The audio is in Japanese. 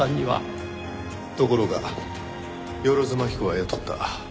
ところが万津蒔子は雇った。